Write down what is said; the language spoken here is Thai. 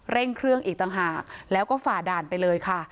เร่งเครื่องอีกต่างหากแล้วก็ฝ่าด่านไปเลยค่ะ